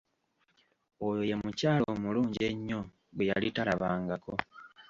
Oyo ye mukyala omulungi ennyo gwe yali talababangako.